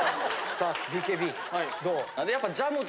さあＢＫＢどう？